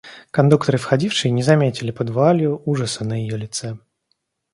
Кондуктор и входившие не заметили под вуалью ужаса на ее лице.